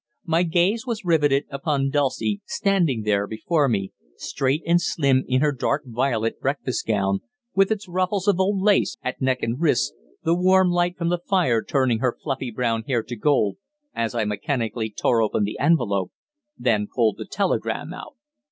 My gaze was riveted upon Dulcie, standing there before me, straight and slim in her dark violet breakfast gown, with its ruffles of old lace at neck and wrists, the warm light from the fire turning her fluffy brown hair to gold, as I mechanically tore open the envelope, then pulled the telegram out.